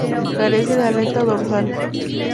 Carece de aleta dorsal.